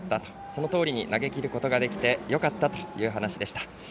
そのとおりに投げきることができてよかったという話でした。